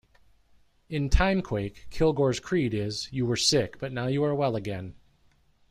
In "Timequake" Kilgore's creed is "You were sick, but now you are well again.